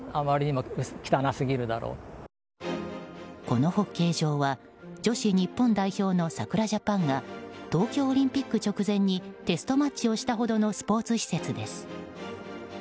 このホッケー場は女子日本代表のさくらジャパンが東京オリンピック直前にテストマッチをしたほどのスポーツ施設です。